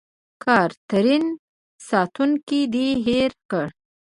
کاترین: ساتونکی دې هېر کړ.